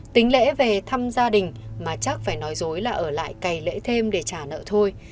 tính lễ về thăm gia đình mà chắc phải nói dối là ở lại cày lễ thêm để trả nợ thôi